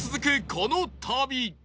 この旅